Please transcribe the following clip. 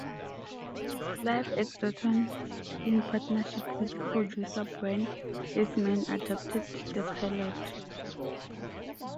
Clive Exton in partnership with producer Brian Eastman adapted the pilot.